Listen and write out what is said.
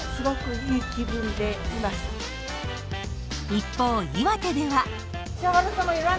一方岩手では。